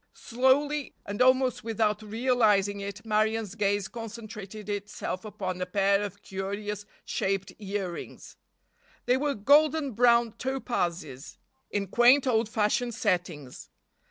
Slowly, and almost without realizing it Marion's gaze concentrated itself upon a pair of curious shaped earrings. They were golden brown topazes in quaint, old fashioned settings.